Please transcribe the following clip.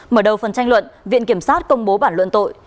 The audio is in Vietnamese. mở đầu phần tranh luận viện kiểm sát công bố bản luận tội